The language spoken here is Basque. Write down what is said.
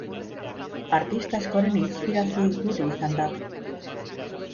Artista askoren inspirazio iturri izan da.